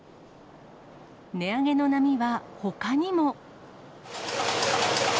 値上げの波はほかにも。